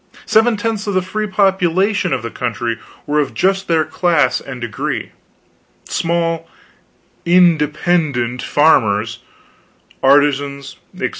Seven tenths of the free population of the country were of just their class and degree: small "independent" farmers, artisans, etc.